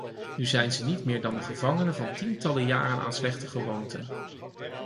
Nu zijn ze niet meer dan gevangenen van tientallen jaren aan slechte gewoonten.